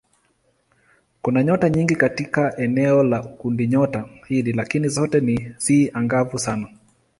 Kuna nyota nyingi katika eneo la kundinyota hili lakini zote si angavu sana.